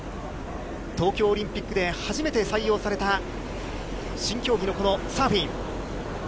東京オリンピックで初めて採用された新競技のこのサーフィン。